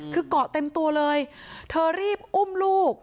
คือเกาะเต็มตัวเลยเธอรีบอุ้มลูก